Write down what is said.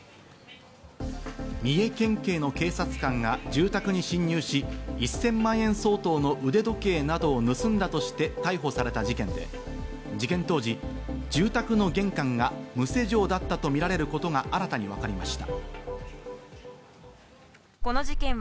三重県警の警察官が住宅に侵入し、１０００万円相当の腕時計などを盗んだとして逮捕された事件で、事件当時、住宅の玄関が無施錠だったとみられることが新たに分かりました。